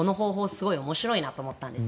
すごく面白いと思ったんです。